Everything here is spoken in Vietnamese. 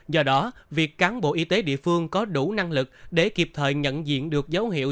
do đó việc cán bộ y tế địa phương có đủ năng lực để kịp thời nhận diện được dấu hiệu